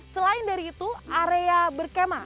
selain dari itu area berkema